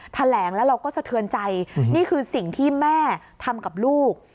แถลงแล้วเราก็สะเทือนใจนี่คือสิ่งที่แม่ทำกับลูก